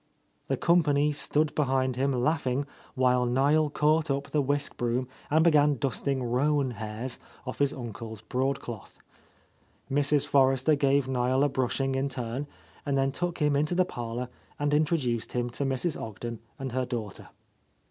The company stood behind him laughing while Niel caught up the whisk broom and began dusting roan hairs off his uncle's broadcloth, _ Mrs, For rester gave Niel a brushing in turn and then took him into the parlour and introduced him to Mrs. Ogden and her daughter.